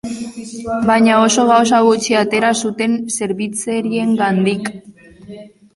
Baina oso gauza gutxi atera zuten zerbitzariengandik.